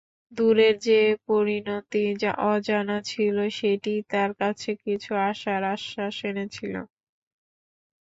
দূরের যে পরিণতি অজানা ছিল সেইটি তাঁর কাছে কিছু আশার আশ্বাস এনেছিল।